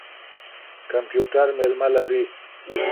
کمپيوټر مېلمه لري.